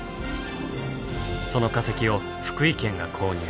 その化石を福井県が購入。